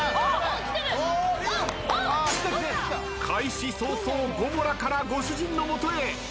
開始早々ゴモラからご主人の元へ。